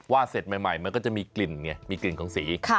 เสร็จใหม่มันก็จะมีกลิ่นไงมีกลิ่นของสี